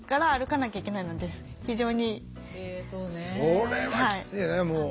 それはきついねもう。